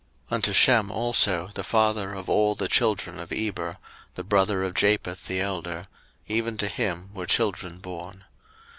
01:010:021 Unto Shem also, the father of all the children of Eber, the brother of Japheth the elder, even to him were children born.